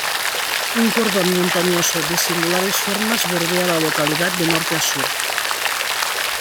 Un cordón montañoso de singulares formas bordea la Localidad de Norte a Sur.